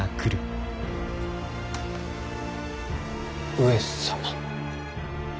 上様？